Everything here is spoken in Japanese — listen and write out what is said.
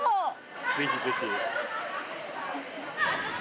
ぜひぜひ。